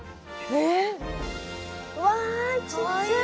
うわちっちゃい。